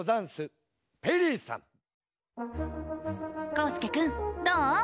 こうすけくんどう？